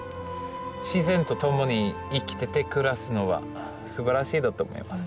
自然と共に生きてて暮らすのはすばらしいだと思いますね。